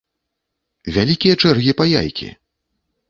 Вялікія чэргі па яйкі!